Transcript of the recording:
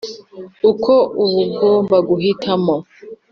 ko ubu ngomba guhitamo